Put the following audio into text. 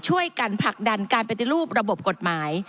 ช่วยกันผลักดันการปฏิรูประบบกฎหมาย